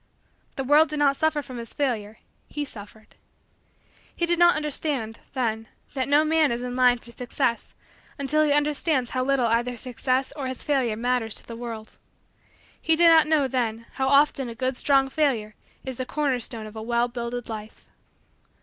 The world did not suffer from his failure he suffered. He did not understand, then, that no man is in line for success until he understands how little either his success or his failure matters to the world. He did not know, then, how often a good strong failure is the corner stone of a well builded life.